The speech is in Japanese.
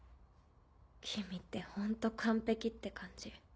君ってホント完璧って感じ。